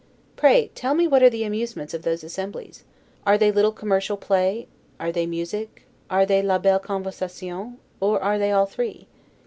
Pray tell me what are the amusements of those assemblies? Are they little commercial play, are they music, are they 'la belle conversation', or are they all three?